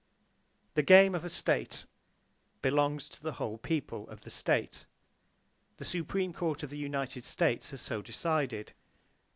The game of a state belongs to the whole people of the state. The Supreme Court of the United States has so decided.